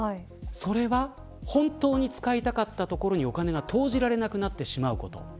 それが本当に使いたかったところにお金が投じられなくなってしまうこと。